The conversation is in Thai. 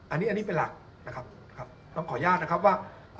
อันนี้อันนี้เป็นหลักนะครับครับต้องขออนุญาตนะครับว่าอ่า